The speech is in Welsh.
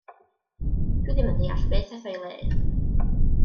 Dw i ddim yn deall beth aeth o'i le.